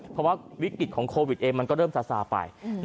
เพราะว่าวิกฤตของโควิดเองมันก็เริ่มซาซาไป